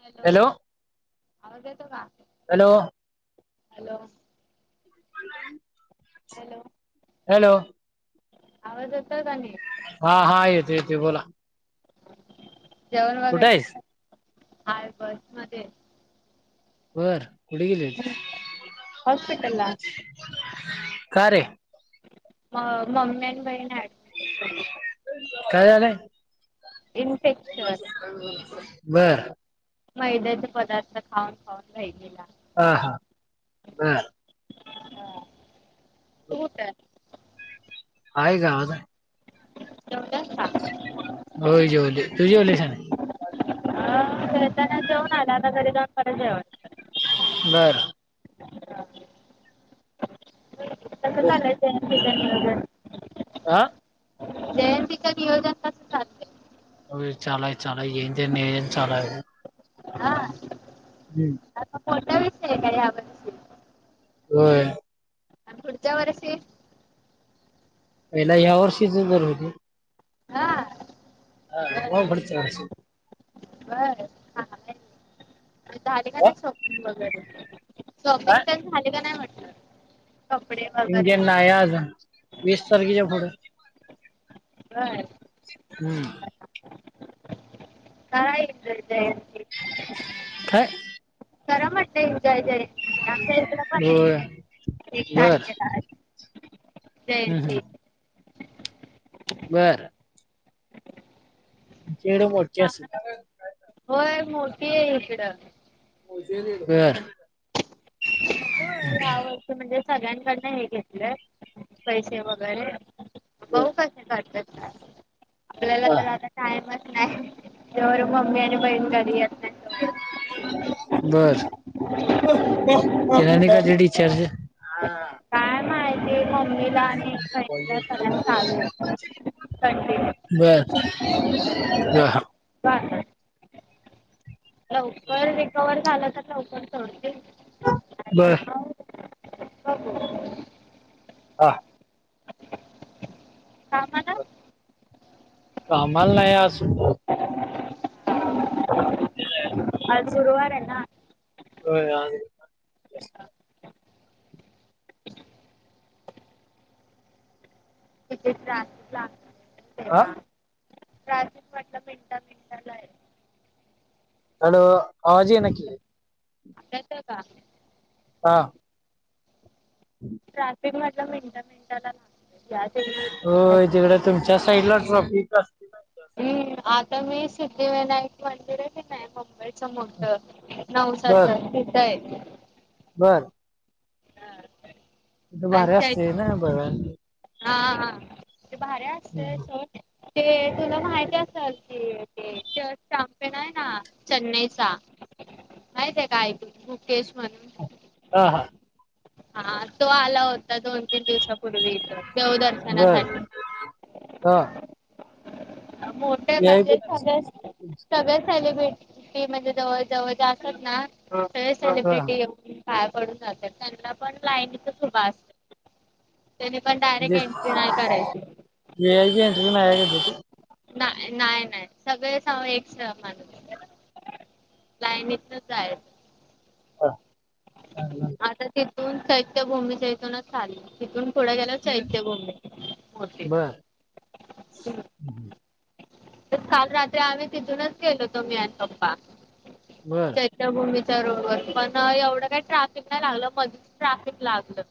Hello आवाज येतो का हॅलो हॅलो. [unintelligible] हॅलो. हॅलो. आवाज येतोय का निट. हा हा येतो येतो बोला. जेवण वगैरे कुठे आहेस झालं का हाय बस मध्ये. बर कुढे गेले हॉस्पिटलला का रे म मम्मी आणि बहीण हड काय झालंय. इनफेक्शन. बर. मैद्याचे पदार्थ खाऊन खाऊन बहिणीला. हा हा बर. हा तट [unintelligible] हय का ह [unintelligible] हो जेव तु जेवली स ना अ खेळताना जेऊन आला ना तरी जाऊन परतव बर [inaudible] कसं चालंय जयतीच नियोजन हा जयंतीच नियोजन कसं चाललंय होय चालाय चालाय येते महिन्या चालाय. हा हम्म आ पताास काण हो पुुर्चाा वर स पहिला ह्या वर्षीच जर होते हा ह हो बडत हा झाले का नाही शॉपिंग वगैरे शॉपिंग काय तर झाले का नाही म्हटलं कपडे वगैरे इंडियन ना आजून वीस तारखेच्या पुढ हा हम्म कायय्र ते ह खरं म्हणतय जय जय आमच्या इत्र पण आहे होय एक बर तारखेला ते हम्म ते बरं ेड मोर्ची अस होय मोठी आहे इकडं हो अ या वर्षी म्हणजे सगळ्यांकडन हे घेतलंय पैसे वगैरे बऊ कसे कातात आपल्याला तर आता टाइमच नाही ज मम्मी आणि बहीण करी येत नाही तोवर. बर का जडी च ह काय माहिती मम्मीला आणि बहिणीला सलग चालू आहे कॉलेच कंटिन्यू. बस ब रिकवर झालं तर लवकर सतील बर बघू ह कामाला ब कामल नाहीय अस असून अज गुरवार ना हो अ लावा हा प्रफिक म्हटलं मिनटा मिनटाला आहे हॅलो हजी येनकले आच का हा ह् ट्रॅफिक म्हटलं मिनटा मिनटा लाग हो तिकड तुमच्या साइड ला ट्रॉफिक हम्म आता मी सिद्धिविनायक मंदिरच नाही मुंबईचं मोठ नऊ सात स येतय बरं त तर आणि भारी त्या असते ना बण हा हा ते भारी्या असत स ते तुला माहिती असल कि ते च ण आहे ना चेन्नईचा माहित आहे काक मुकेश म्हणून ह हा हा तो आला होता दोन तीन दिवसापूर्वी इथ बर देवदर्शनासाठी हा मोठे व्ही आय पी म्हणजे दर्शन सगळे असते ना तुमचं सगळ्या सेलिब्रिटी ी म्हणजे जवळ जवळ असतात ना सगळे हा सेलिब्रिटी एवढ काय पडून जात त्यांना पण लाईनच खूप असत त्यानी पण डायरेक्ट एनटी नाही करायची ह घ इंतट्य ना ह्यागती नाही नाही नाही सगळे स एक स मान लाईनतलंच आहे ह ह आता तिथून सैत्य भूमच्या इथूनच चालेल तिथून थोड्या गेल्याच ऐक गोम हो हम् काल रात्री आम्ही तिथूनच गेलो होतो मी आणि पप्पा बर चच्याभूमीच्या ररोबर पण एवढं काही ट्राफिक नाही लागलं मगच ट्राफिक लागलं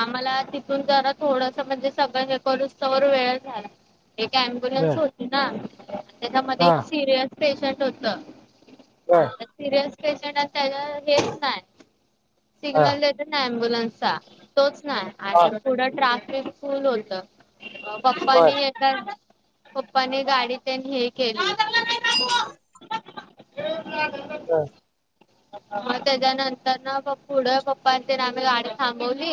आम्हाला तिथून जरा थोडस म्हणजे सगळ्यां जकरुस्वर वेळ झाला एक अम्बुलन्स बर होती ना त्याच्यामध्ये हा एक सिरियस पेशंट होत ह सर पें नाही नाही हा अम्ब्युलन्सचा तोच नाही आणि हा, पुढं ट्राफिक फुल होतं बर पप्पानी ए गाडी त्यांनी हे केली हा ह त्याच्यानंतर ना पुढं पप्प ते आम्ही गाडी थांबवली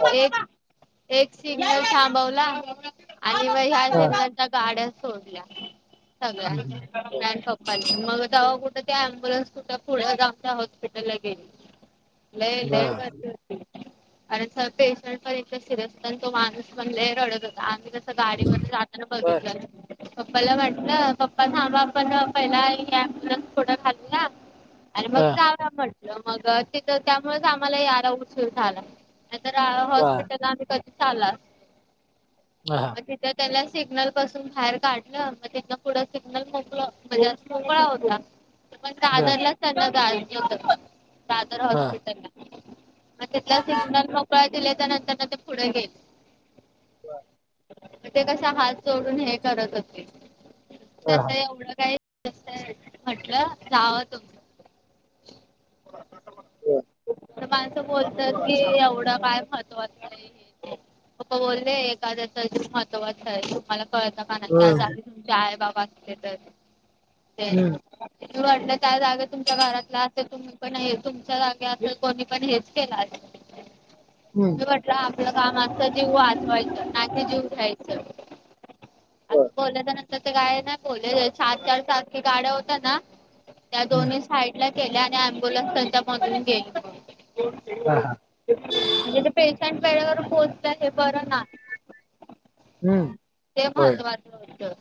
बर एक एक सिग्नल थांबवला आणि म ह्या हां, सच्या गाड्या सोडल्या हं, हं, बर सगळ्या ठप् मग तेव्हा कुठे ते अम्बुलन्स कुठ पुड गावच्या हॉस्पिटल ला गेली ल बर हम्म. ल अर पेशंट पण इत सिरियस होत आणि तो माणस म्हणले रड आ गाडी वगर जाताना बर बिघितल्याल पप्पाला वाटलं पप्पा ांबा आपण पहिलाबुनस थड खाल्लं आणि मग हां, जाव म्हटलं मग तिथं त्यामुळेच आम्हाला याला उशिर झाला आ तर बर हॉस्पिटल अ कध ला ह हा तिथं त्याला सिग्नल पासून बाहेर काढलं मग तिं पुढं सिग्नल मोकलं म्हणजे सळा होता तर मग बर दादरलाच त्यांना गाज होत दादर हा हॉस्पिटल ला मग तिथला सिग्नल मोकळा दिले तर नंतर ना ते पुढे गेले हो ते कसा हात जोडून हे करत होते बर हा हा तस हा एवढं काय म्हटलं राव तुम प माणसं बोलतात की एवढं काय महत्वाच नाही बले एकाद महत्वाचाज मला कळता म्हणा की आज आगी हम्म तुमचे आई बाबा असले तर ते अड तयगत तुमच्या घरातला अस तुम्ही पण हे तुमच्या जागे कोणी पण हेच केलं अस हम्म म्हटलं आपलं कामा जीव वाचवायच ना क जीव घ्यायचं आता बर बोल त्या नंतर ते काय नाही बोलले सात चार सारखे गाड्या होत्या ना त्या हम्म दोन्ही साईड ला गेल्या आणि अम्बुलनस त्यांच्या मधून हा हा गेली म्हणजे ते पेशंट वेळेवर पोहोचत हे बरं ना हम्म ते होय महत्त्वाचं होतं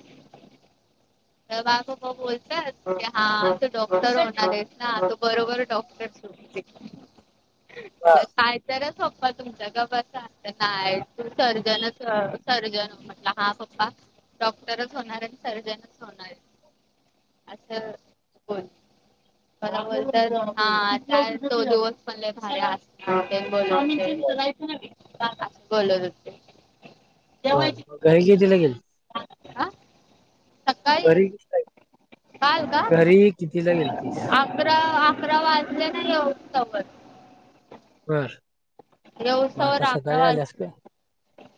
तर बा ग बोलतात की हा डॉक्टर होणारस ना तो बरोबर डॉक्टर बर काय तर पप्पा तुमच्या गत ना सर्जन सर्जन म्हट हा पप्पा डॉक्टरच होणार सर्जन होणार अच्छा बण ब बोलत हा आ तो दिवस पणले भारी हा ते बोल बोलतते बरं म घरी घेतीलागेल ह आ घरी काल का घरी किती ला गेलतिस अकरा अकरा वाजले ना येउ सोबत बर मग देहसवर आता सकाळी आम्रवाल आल्यास काय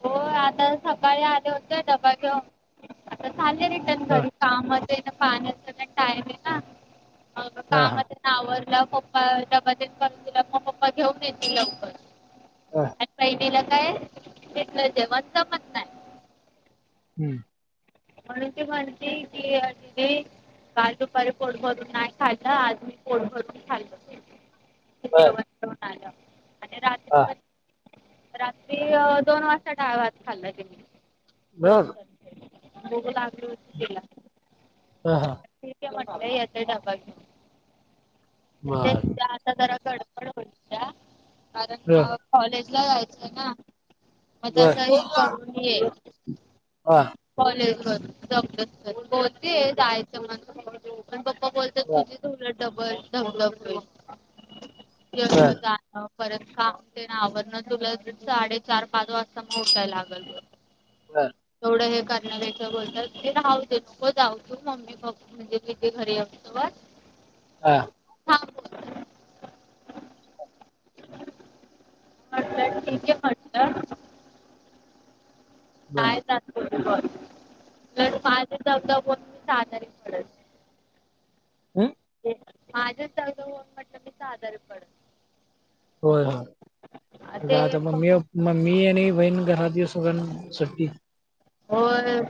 हो आता सकाळी आले होतेय दबा घे आता चाले र हा घरी का पाण्याचा टाईम आहे ना हा का हा नावरला पप्पा बाातच करून दिला मग पप्पा घेऊन येतील ल हा आणि बहिटला काय तलं जेवण जमत नाही हम्म म्हणून ते म्हणते की तिथे काल दुपारी पोड भरून नाही खाल्लं आज मी पोड भरून खाल्ल उद्योगणा ह रात्री दोन वाजता डाळवात खाल्ला गेली दोन बर बघू लागलला हा हा म्हटलंय याच्या ढबा म आता जरा गडबड होय बर कारण कॉलेज ला जायचंय ना बर मगं हे करून ये ह कॉलेज म जबदस् बोलते जायचं म्हण पण बघ ् बोलतात बर तुझी तुला डबल डबल हो अ बर परत कामते ना आवरण तुला साडेचार पाच वाजता मग उठाय लागल बर तेवढं हे करण्या पेक्षा ते बोलतात नको जाऊ मग मी मम्मी प म्हणजे तिथे घरी आलतो तेव्हाच हा हा बोल म्हटलं ठीक आहे म्हटलं बर. प माझध [inaudible] हम. माझं जववन म्हटलं मी साधरण पड. होय. घ ते आता ममी पप्पा म ममी आणि बहीण घरात ये सोगण सुट्टी हो आहे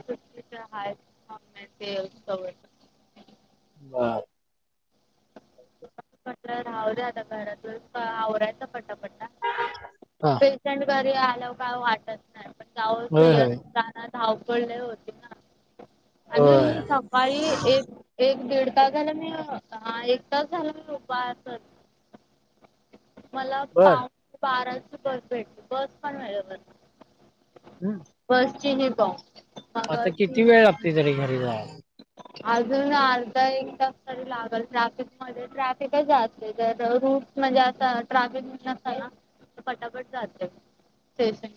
ते ह पत्र राहुदे आता घरातून आवरायचा पड्टा पट्टा हा पेशंट घरी आल्या का वाटत नाही पण होय जाऊ होय गना धावपळ लय होते ना आणि होय मी माई एक एक दीड तास झालं मी एक तास झालं मी उप मला बर पाऊने बाराची बस भेटली बस पण वेळेवर नाही. हम्. बसची ही बोंब. आता किती वेळ लागते तरी घरी जायला? [inaudible] अजून अर्धा एक तास तरी लागल ट्रॅफिक मध्ये ट्रॅफिकच असते दादर हून. म्हणजे आता ट्रॅफिक नसल्यावर अस ना पटापट जाते.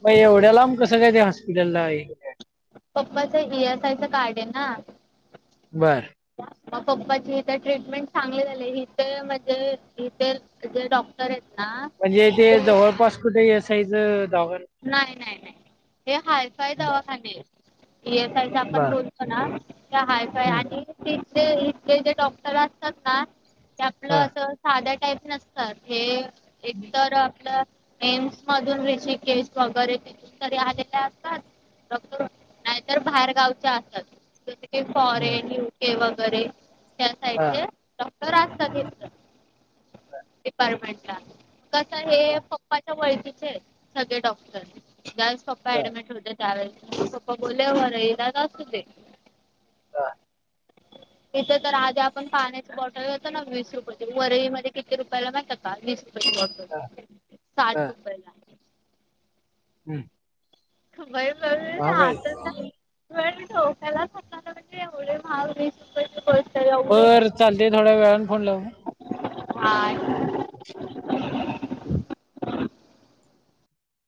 मग एवढ्या लांब कसं काय ते हॉस्पिटलला आहे? पप्पाच ए. एस. आय. चं कार्ड आहे ना. बर. पप्पाची इथे ट्रीटमेंट चांगली झाले इथे म्हणजे इथेे डॉ क्टरेत ना. म्हणजे ते जवळपास कुठे ए. एस. आय. च दवाखाना? नाही नाही नाही हे हायफाय दवाखाने. ए. एस. आय. च आपण बर बोललो ना हायफय हम्म. आणि इथले इथले जे डॉक्टर असतात ना ते आपलं हा असं साध्या टाईप नसतात हे एकतर आपलं एम्स मधून वी शिके वगैरे तिथून तरी आलेल्या असतात. नाहीतर बाहेरगावच्या असत. बर फॉरेन यू केे वगैरे त्या हा साइडचे असतात. तर असत घेतल डिपार्टमेंट ला. कस हे हा, पप्पाच्या ओळखचे आहे सगळे डॉक्टरस पप्पा बर ऍडमिट होते त्यावेळे पप्पा बोलेवरर येलाच असू दे. हा. इथे तर आधी आपण पाण्याची बॉटल घेतो ना वीस रुपयाेची वरळीमध्ये किती रुपयाला माहते का? वीस रुपय ची हा, बॉटल साठ रुपय ला. हम्. वई ब आातता. डोक्याला होत लावला म्हणजे एवढे महाग वीस रुपयाेची गोष्ट ब चालते थोड्या वेळने फोन लावू. हा. हम्.